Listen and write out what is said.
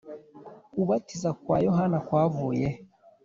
Kubatiza kwa Yohana kwavuye he